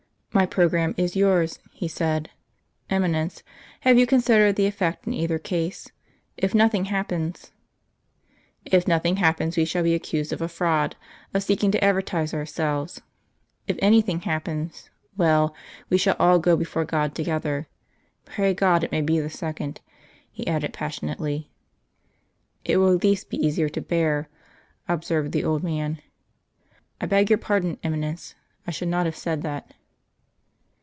"My programme is yours," he said. "Eminence, have you considered the effect in either case? If nothing happens " "If nothing happens we shall be accused of a fraud, of seeking to advertise ourselves. If anything happens well, we shall all go before God together. Pray God it may be the second," he added passionately. "It will be at least easier to bear," observed the old man. "I beg your pardon, Eminence. I should not have said that."